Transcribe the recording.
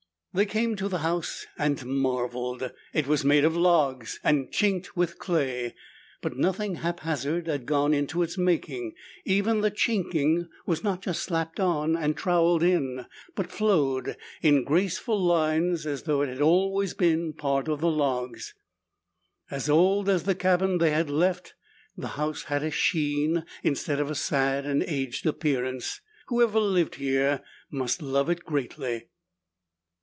They came to the house and marveled. It was made of logs and chinked with clay, but nothing haphazard had gone into its making. Even the chinking was not just slapped on and troweled in, but flowed in graceful lines as though it had always been part of the logs. As old as the cabin they had left, the house had a sheen instead of a sad and aged appearance. Whoever lived here must love it greatly.